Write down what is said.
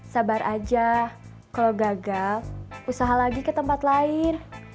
sabar aja kalau gagal usaha lagi ke tempat lain